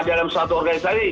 dalam suatu organisasi